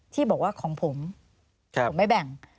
ที่บอกว่าของผมผมไม่แบ่ง